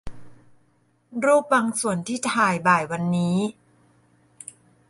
รูปบางส่วนที่ถ่ายบ่ายวันนี้